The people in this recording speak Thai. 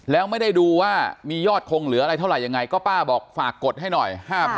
แล้วไม่ได้ดูว่ามียอดคงเหลืออะไรเท่าไหร่ยังไงก็ป้าบอกฝากกดให้หน่อย๕๐๐๐